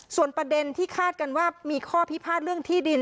ส่วนประเด็นที่คาดกันว่ามีข้อพิพาทเรื่องที่ดิน